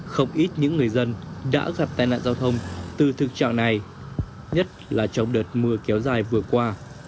không ít những người dân đã gặp tai nạn giao thông từ thực trạng này nhất là trong đợt mưa kéo dài vừa qua